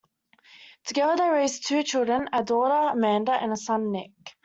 Together they raised two children, a daughter Amanda and a son Nick.